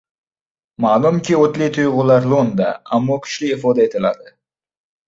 Ma’lumki, o‘tli tuyg‘ular lo‘nda, ammo kuchli ifoda etiladi.